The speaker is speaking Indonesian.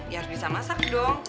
ya harus bisa masak dong